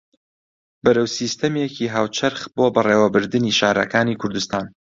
بەرەو سیستەمێکی هاوچەرخ بۆ بەڕێوەبردنی شارەکانی کوردستان